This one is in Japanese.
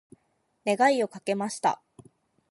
願いをかけました。